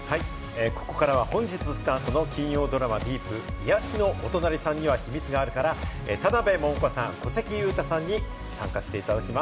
ここからは本日スタートの金曜ドラマＤＥＥＰ『癒やしのお隣さんには秘密がある』から田辺桃子さん、小関裕太さんに参加していただきます。